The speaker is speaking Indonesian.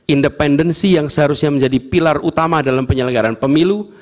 independensi yang seharusnya menjadi pilar utama dalam penyelenggaran pemilu